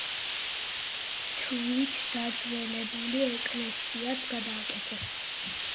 თვით დაძველებული ეკლესიაც გადაკეთეს.